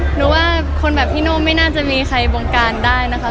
หนูว่าคนแบบพี่โน่ไม่น่าจะมีใครบงการได้นะคะ